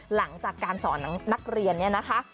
หลังจากการสอนนักเรียนเนี่ยนะคะ